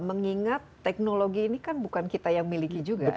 mengingat teknologi ini kan bukan kita yang miliki juga